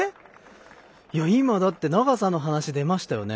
いや、今、だって長さの話、出ましたよね。